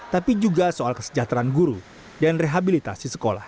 tapi juga soal kesejahteraan guru dan rehabilitasi sekolah